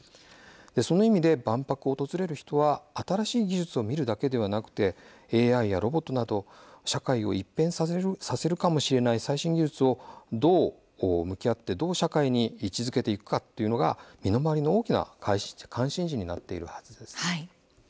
その意味で万博を訪れる人は新しい技術を見るだけではなくＡＩやロボットなど社会を一変させるかもしれない最新技術にも向き合って社会に位置づけていくのかが目の前の関心事になっていくはずです。